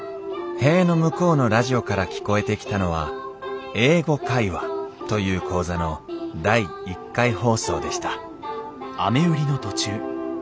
塀の向こうのラジオから聞こえてきたのは「英語会話」という講座の第１回放送でした